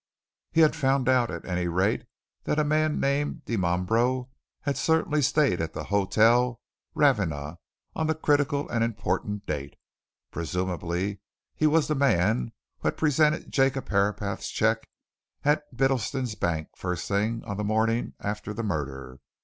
He had found out, at any rate, that a man named Dimambro had certainly stayed at the Hotel Ravenna on the critical and important date. Presumably he was the man who had presented Jacob Herapath's cheque at Bittleston's Bank first thing on the morning after the murder.